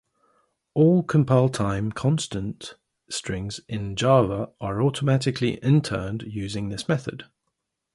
All compile-time constant strings in Java are automatically interned using this method.